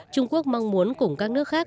trung quốc mong muốn cùng các nước khác